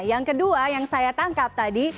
yang kedua yang saya tangkap tadi